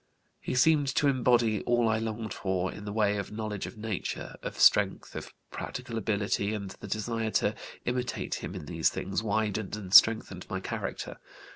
He seemed to embody all I longed for in the way of knowledge of nature, of strength, of practical ability, and the desire to imitate him in these things widened and strengthened my character.